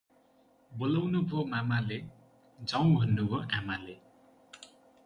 बोलाउनु भो मामाले, जाउँ भन्नु भो आमाले ।